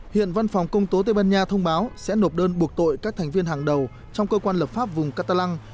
hiện văn phòng công tố tây ban nha thông báo sẽ nộp đơn buộc tội các thành viên hàng đầu trong cơ quan lập pháp vùng katalang